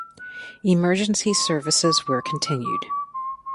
Emergency services were continued.